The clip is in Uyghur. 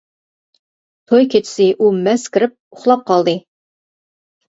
توي كېچىسى ئۇ مەست كىرىپ ئۇخلاپ قالدى.